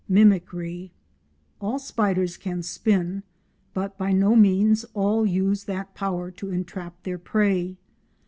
MIMICRY All spiders can spin, but by no means all use that power to entrap their prey.